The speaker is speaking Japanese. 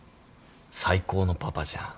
最高のパパじゃん。